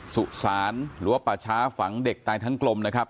สุสานหรือปัชภังเด็กตายทางกลมนะครับ